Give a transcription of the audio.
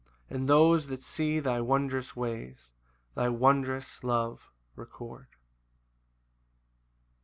And those that see thy wondrous ways, Thy wondrous love record.